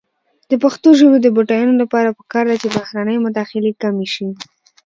د پښتو ژبې د بډاینې لپاره پکار ده چې بهرنۍ مداخلې کمې شي.